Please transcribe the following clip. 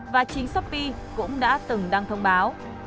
và chính shopee cũng đã từng đăng thông báo